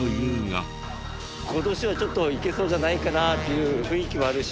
今年はいけそうじゃないかなという雰囲気もあるし